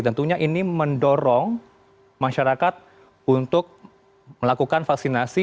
tentunya ini mendorong masyarakat untuk melakukan vaksinasi